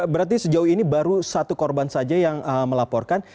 berarti sejauh ini baru satu korban saja yang melaporkan